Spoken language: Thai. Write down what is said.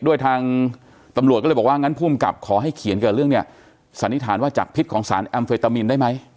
ด้วยทางตำรวจก็เลยบอกว่างั้นผู้อำกัดขอให้เขียนกับเรื่องแบบนี้สันนิษฐานว่าจากภิกของสารแอมเฟยร์ตามิได้ไหม